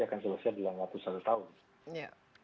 akan selesai dalam dua puluh satu tahun